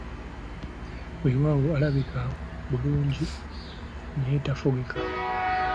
Weewaawo alabika bulungi naye tafugika.